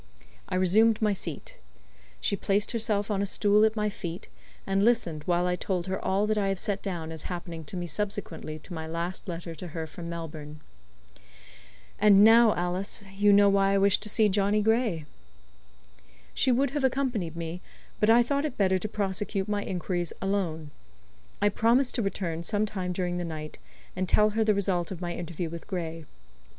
I resumed my seat. She placed herself on a stool at my feet, and listened while I told her all that I have set down as happening to me subsequently to my last letter to her from Melbourne. "And now, Alice, you know why I wish to see Johnny Gray." She would have accompanied me, but I thought it better to prosecute my inquiries alone. I promised to return sometime during the night, and tell her the result of my interview with Gray.